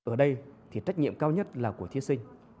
ở đây thì trách nhiệm cao nhất là của thí sinh